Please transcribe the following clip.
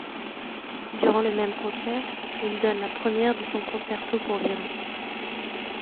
Durant le même concert, il donne la première de son Concerto pour violon.